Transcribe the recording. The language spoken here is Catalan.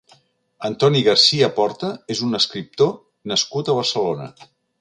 Antoni García Porta és un escriptor nascut a Barcelona.